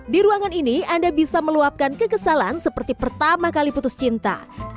di ruangan ini anda bisa meluapkan kekesalan seperti pertama kali putus cinta